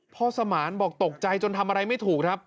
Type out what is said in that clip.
พ่อสมาร์นบอกตกใจจนทำอะไรไม่ถูก